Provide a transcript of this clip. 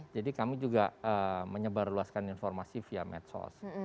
jadi kami juga menyebarluaskan informasi via medsos